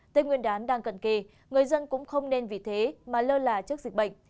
tên nguyên đán đang cận kỳ người dân cũng không nên vì thế mà lơ là trước dịch bệnh